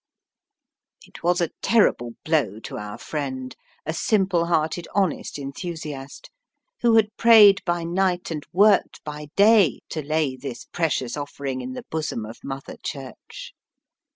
It was a terrible blow to our friend, a simple hearted, honest enthusiast, who had prayed by night and worked by day to lay this precious offering in the bosom of Mother Church.